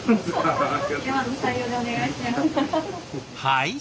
はい。